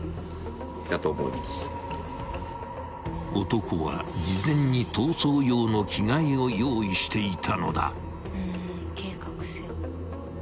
［男は事前に逃走用の着替えを用意していたのだ］